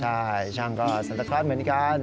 ใช่ช่างก็เป็นซันตาคอร์สเหมือนกัน